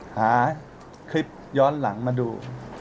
หาคลิปย้อนหลังมาดู